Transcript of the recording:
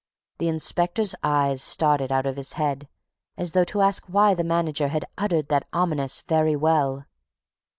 The inspector's eyes started out of his head, as though to ask why the manager had uttered that ominous "Very well!"